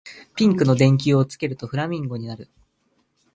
ピンクの電球をつけるとフラミンゴになる